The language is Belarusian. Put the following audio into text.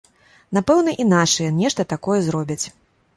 Напэўна, і нашыя нешта такое зробяць.